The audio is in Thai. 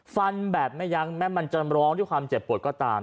ฟันแบบไม่ยั้งแม้มันจะร้องด้วยความเจ็บปวดก็ตาม